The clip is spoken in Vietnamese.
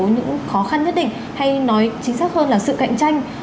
những khó khăn nhất định hay nói chính xác hơn là sự cạnh tranh